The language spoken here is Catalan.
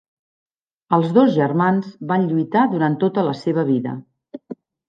Els dos germans van lluitar durant tota la seva vida.